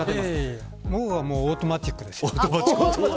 僕はオートマチックですよ。